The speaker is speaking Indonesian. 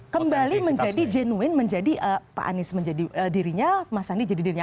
kembali menjadi genuin menjadi pak anies menjadi dirinya mas andi jadi dirinya